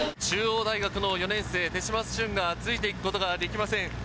中央大学の４年生、手島駿がついていくことができません。